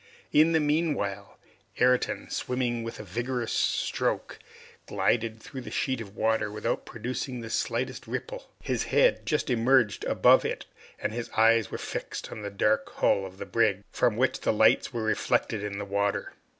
In the meanwhile, Ayrton, swimming with a vigorous stroke, glided through the sheet of water without producing the slightest ripple. His head just emerged above it and his eyes were fixed on the dark hull of the brig, from which the lights were reflected in the water.